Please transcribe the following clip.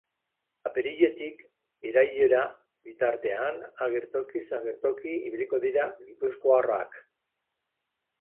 Apiriletik irailera bitartean agertokiz agertoki ibiliko dira gipuzkoarrak.